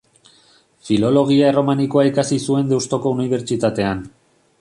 Filologia Erromanikoa ikasi zuen Deustuko Unibertsitatean.